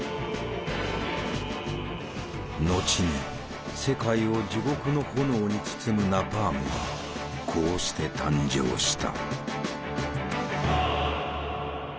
後に世界を地獄の炎に包むナパームはこうして誕生した。